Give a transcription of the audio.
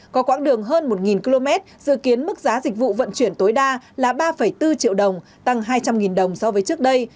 có quãng đường hơn một km dự kiến mức giá dịch vụ vận chuyển tối đa là ba bốn triệu đồng tăng hai trăm linh đồng so với trước đây